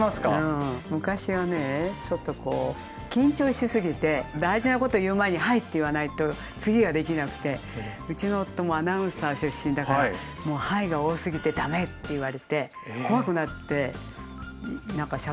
昔はねちょっとこう緊張しすぎて大事なこと言う前に「はい」って言わないと次ができなくてうちの夫もアナウンサー出身だから「『はい』が多すぎて駄目」って言われて怖くなって何かしゃべれなくなったこと思い出しました。